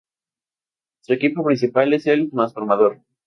Su equipo principal es el transformador.